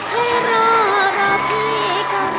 ให้ร้องรอพี่ก็รอได้